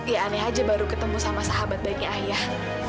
ya aneh aja baru ketemu sama sahabat banyak ayah